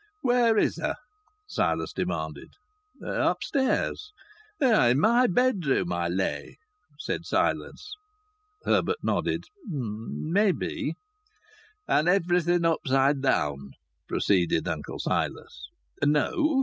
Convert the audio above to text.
"Where is her?" Silas demanded. "Upstairs." "I' my bedroom, I lay," said Silas. Herbert nodded. "May be." "And everything upside down!" proceeded Uncle Silas. "No!"